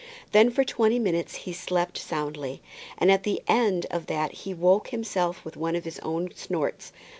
Then for twenty minutes he slept soundly, and at the end of that he woke himself with one of his own snorts.